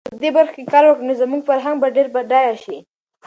په دې برخو کې کار وکړي، نو زموږ فرهنګ به ډېر بډایه شي.